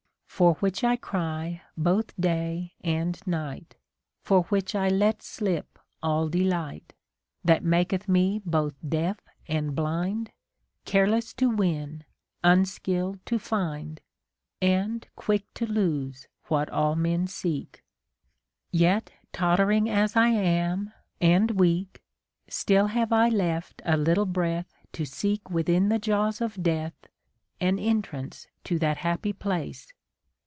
For which I cry both day and night, For which I let slip all delight. That maketh me both deaf and blind, Careless to win, unskilled to find. And quick to lose what all men seek. Yet tottering as I am, and weak, Still have I left a little breath To seek within the jaws of death An entrance to that happy place.